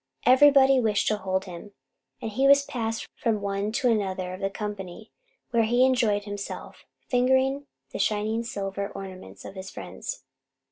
Everybody wished to hold him, and he was passed from one to another of the company, where he enjoyed himself fingering the shining silver ornaments of his friends.